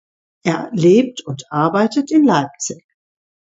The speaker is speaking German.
Er lebt und arbeitet in Leipzig.